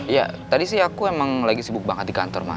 ya tadi sih aku emang lagi sibuk banget di kantor mah